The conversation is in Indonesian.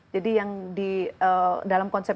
jadi yang di dalam konsep